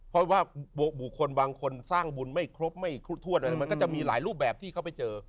เพราะว่าบุคคลบางคนสร้างบุญไม่ครบไม่ครบถ้วนอะไรมันก็จะมีหลายรูปแบบที่เขาไปเจอ